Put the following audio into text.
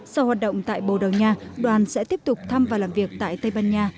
sau hoạt động tại bồ đầu nha đoàn sẽ tiếp tục thăm và làm việc tại tây ban nha